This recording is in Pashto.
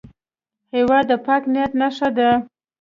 هېواد د پاک نیت نښه ده.